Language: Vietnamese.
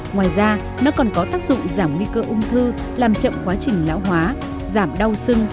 ngoài ra nó còn có tác dụng giảm nguy cơ ung thư làm chậm quá trình lão hóa giảm đau sưng